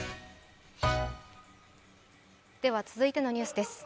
続いてのニュースです。